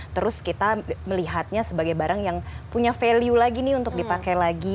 terus kita melihatnya sebagai barang yang punya value lagi nih untuk dipakai lagi